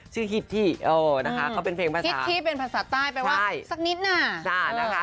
ฮิตที่เออนะคะเขาเป็นเพลงภาษาฮิตที่เป็นภาษาใต้แปลว่าสักนิดน่ะนะคะ